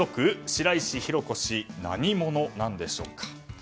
白石浩子氏、何者なんでしょうか。